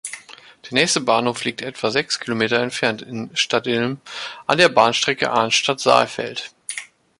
Der nächste Bahnhof liegt etwa sechs Kilometer entfernt in Stadtilm an der Bahnstrecke Arnstadt–Saalfeld.